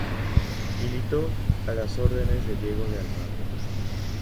Militó a las órdenes de Diego de Almagro.